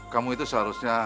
kamu itu seharusnya